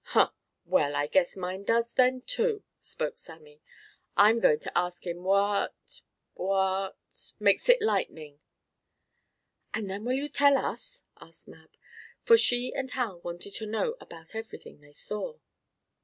"Huh! Well, I guess mine does then, too!" spoke Sammie. I'm going to ask him what what makes it lightning!" "And then will you tell us?" asked Mab, for she and Hal wanted to know about everything they saw.